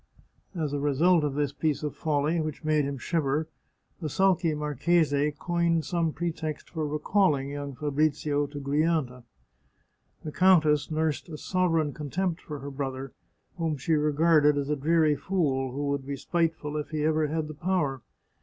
As a result of this piece of folly, 12 The Chartreuse of Parma which made him shiver, the sulky marchese coined some pretext for recalling young Fabrizio to Grianta. The countess nursed a sovereign contempt for her brother, whom she regarded as a dreary fool, who would be spite ful if he ever had the power.